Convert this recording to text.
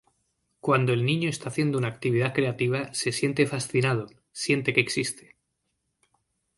Cuando el niño está haciendo una actividad creativa se siente fascinado, siente que existe.